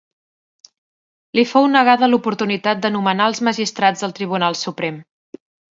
Li fou negada l'oportunitat de nomenar els magistrats del Tribunal Suprem.